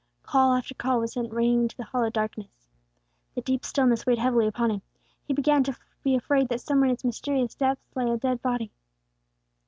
Call after call was sent ringing into the hollow darkness. The deep stillness weighed heavily upon him; he began to be afraid that somewhere in its mysterious depths lay a dead body.